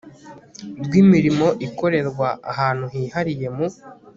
rw imirimo ikorerwa ahantu hihariye mu